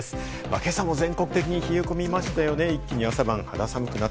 今朝も全国的に冷え込みました。